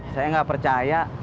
saya gak percaya